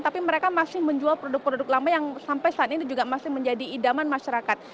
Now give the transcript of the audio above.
tapi mereka masih menjual produk produk lama yang sampai saat ini juga masih menjadi idaman masyarakat